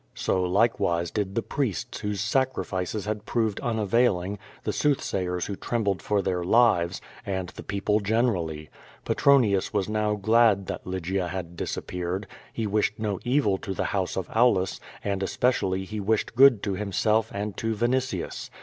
So like wise did the priests whose sacrifices had proved unavailing, the soothsayers who trembled for their lives, and the people generally. Petronius was now glad that Lygia had disap peared. He wished no evil to the house of Aulus, and espe cially he wished good to himself and to Vinitius.